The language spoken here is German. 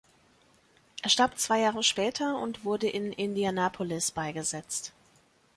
Er starb zwei Jahre später und wurde in Indianapolis beigesetzt.